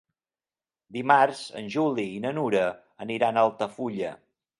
Dimarts en Juli i na Nura aniran a Altafulla.